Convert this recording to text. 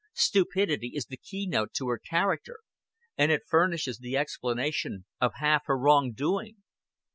Stupidity is the key note to her character and it furnishes the explanation of half her wrong doing."